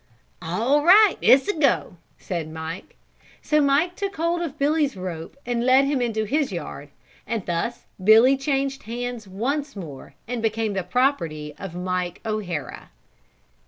"All right, it's a go!" said Mike. So Mike took hold of Billy's rope and led him into his yard and thus Billy changed hands once more and became the property of Mike O'Hara.